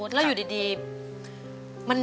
สวัสดีครับ